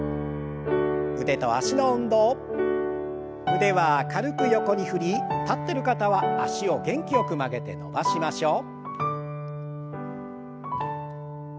腕は軽く横に振り立ってる方は脚を元気よく曲げて伸ばしましょう。